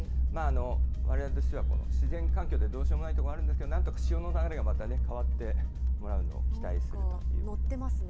われわれとしては自然環境でどうしようもないことがあるんですが、なんとか潮の流れが変わってもらうのを期待するということですね。